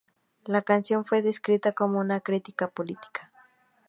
La canción fue descrita como una crítica política.